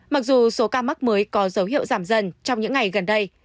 mặc dù số ca mắc mới có dấu hiệu giảm dần trong những ngày gần đây